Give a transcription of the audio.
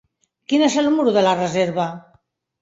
Quin és el número de la reserva?